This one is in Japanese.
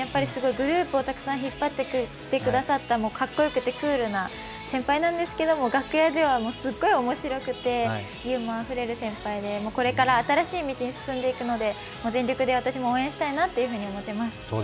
グループをたくさん引っ張ってくださってかっこよくてクールな先輩なんですけど楽屋ではすっごい面白くてユーモアあふれる先輩でこれから新しい道に進んでいくので、全力で私も応援したいなというふうに思っています。